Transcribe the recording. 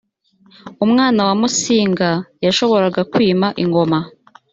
umwana wa musinga yashoboraga kwima ingoma